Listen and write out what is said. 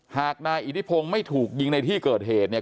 หากนายอิทธิพงศ์ไม่ถูกยิงในที่เกิดเหตุเนี่ย